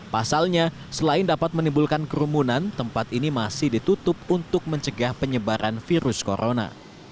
pasalnya selain dapat menimbulkan kerumunan tempat ini masih ditutup untuk mencegah penyebaran virus corona